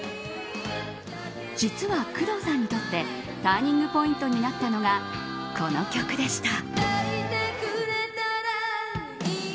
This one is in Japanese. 実は工藤さんにとってターニングポイントになったのがこの曲でした。